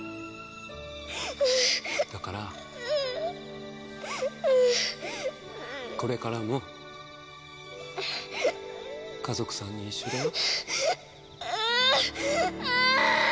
だから、これからも家族３人一緒だよ。